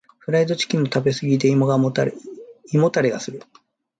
フライドチキンの食べ過ぎで胃もたれがする。